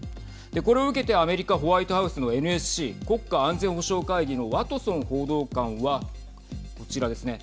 これを受けてアメリカ、ホワイトハウスのＮＳＣ＝国家安全保障会議のワトソン報道官はこちらですね。